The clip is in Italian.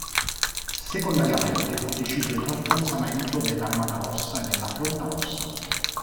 Secondariamente, fu deciso il rafforzamento dell'Armata Rossa e della Flotta Rossa.